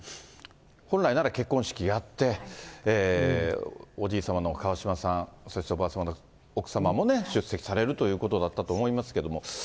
本来なら結婚式やって、おじいさまの川嶋さん、そしておばあさまの奥様も出席されるということだったと思いますけれども。